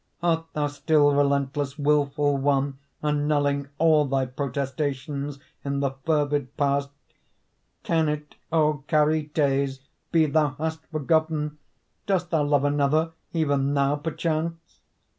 Art thou still relentless, Wilful one, annulling All thy protestations In the fervid past? Can it, O Charites, Be thou hast forgotten? Dost thou love another, Even now, perchance?